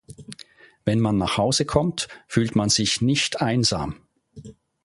Wenn man nach Hause kommt, fühlt man sich nicht einsam.